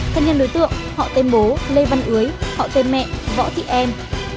thân nhân đối tượng họ tên bố lê văn ưới họ tên mẹ võ thị em